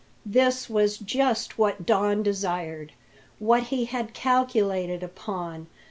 This was just what Don desired what he had calculated upon.